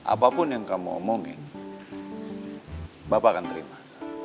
apapun yang kamu omongin bapak akan terima